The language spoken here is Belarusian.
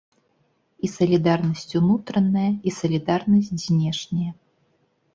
І салідарнасць унутраная і салідарнасць знешняя.